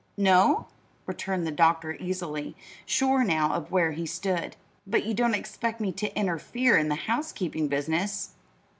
"No?" returned the doctor easily, sure now of where he stood. "But you don't expect me to interfere in this housekeeping business!"